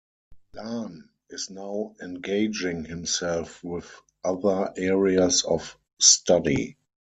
Lahn is now engaging himself with other areas of study.